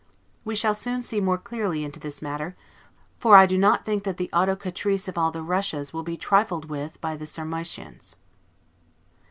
We shall soon see more clearly into this matter; for I do not think that the Autocratrice of all the Russias will be trifled with by the Sarmatians.